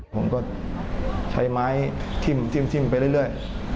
ผมก็ใช้ไม้ทิ้มไปเรื่อย